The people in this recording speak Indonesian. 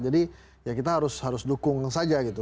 jadi ya kita harus harus dukung saja gitu